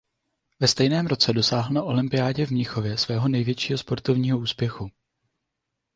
Ve stejném roce dosáhl na olympiádě v Mnichově svého největšího sportovního úspěchu.